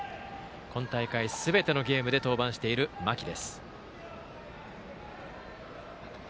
今大会、すべてのゲームで登板している、間木です。